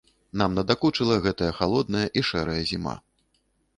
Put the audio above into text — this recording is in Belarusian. Нам надакучыла гэтая халодная і шэрая зіма.